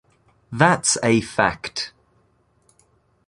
That's a fact.